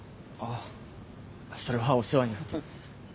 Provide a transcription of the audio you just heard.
あそれはお世話になって。